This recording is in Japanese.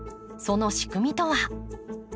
その仕組みとは？